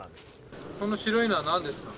この白いのは何ですか？